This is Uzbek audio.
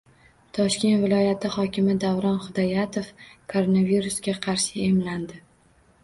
Toshkent viloyati hokimi Davron Hidoyatov koronavirusga qarshi emlandi